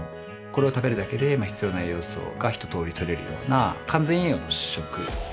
これを食べるだけで必要な栄養素が一とおりとれるような完全栄養の主食